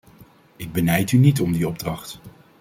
Ik benijd u niet om die opdracht.